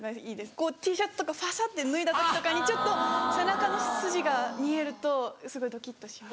こうＴシャツとかファサって脱いだ時とかにちょっと背中の筋が見えるとすごいドキっとします。